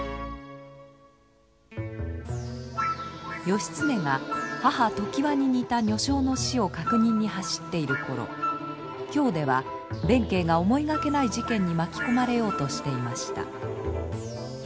義経が母常磐に似た女性の死を確認に走っている頃京では弁慶が思いがけない事件に巻き込まれようとしていました。